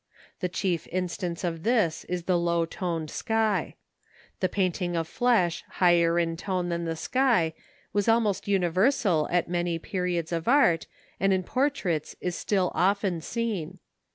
The chief instance of this is the low toned sky. The painting of flesh higher in tone than the sky was almost universal at many periods of art, and in portraits is still often seen.